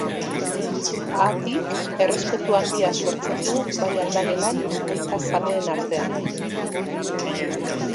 Haatik, errespetu handia sortzen du bai aldagelan, baita zaleen artean.